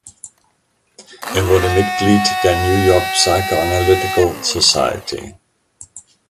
Er wurde Mitglied der "New York Psychoanalytical Society".